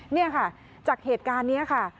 นี่ค่ะจากเหตุการณ์นี้ค่ะ